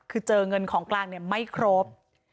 คือเจอเงินของกลางไม่ครบ